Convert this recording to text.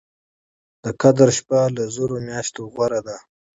د قدر شپه له زرو مياشتو غوره ده